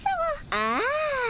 ああ。